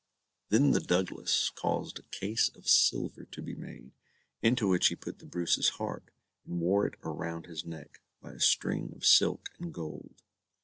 Then the Douglas caused a case of silver to be made, into which he put the Bruce's heart, and wore it around his neck, by a string of silk and gold.